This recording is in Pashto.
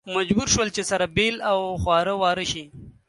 مجبور شول چې سره بېل او خواره واره شي.